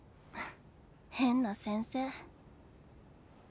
変な先生。